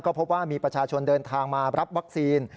พบว่ามีประชาชนเดินทางมารับวัคซีน